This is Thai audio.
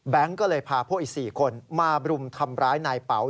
ก็เลยพาพวกอีก๔คนมารุมทำร้ายนายเป๋า